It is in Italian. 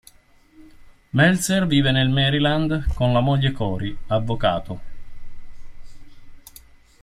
Meltzer vive nel Maryland con la moglie Cori, avvocato.